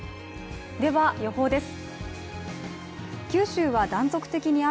では予報です。